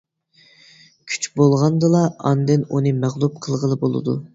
كۈچ بولغاندىلا ئاندىن ئۇنى مەغلۇپ قىلغىلى بولىدۇ.